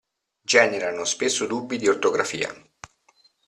Generano spesso dubbi di ortografia.